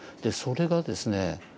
それがですね